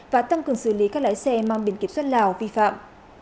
và tăng cường xử lý các lái xe mang biển kiểm soát lào vi phạm